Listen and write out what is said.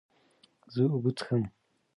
زه اوبه څښم.